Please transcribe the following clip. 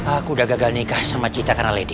aku udah gagal nikah sama cita karena lady